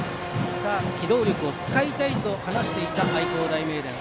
機動力を使いたいと話していた愛工大名電。